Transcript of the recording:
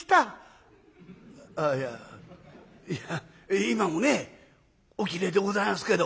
あっいやいや今もねおきれいでございますけど。